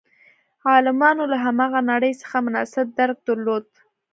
عالمانو له هماغه نړۍ څخه مناسب درک درلود.